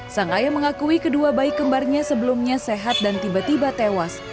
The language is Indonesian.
sang ayah mengakui kedua bayi kembarnya sebelumnya sehat dan tiba tiba tewas